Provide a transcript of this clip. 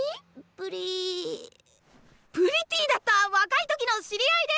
プリプリティーだった若い時の知り合いで。